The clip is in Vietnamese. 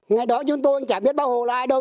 ngày đó chúng tôi chả biết bác hồ là ai đâu